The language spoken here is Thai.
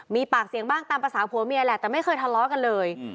มีปากเสียงบ้างตามภาษาผัวเมียแหละแต่ไม่เคยทะเลาะกันเลย